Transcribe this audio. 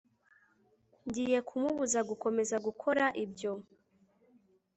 Ngiye kumubuza gukomeza gukora ibyo